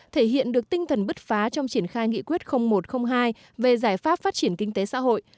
thể hiện được tinh thần bứt phá trong triển khai nghị quyết một trăm linh hai về giải pháp phát triển kinh tế xã hội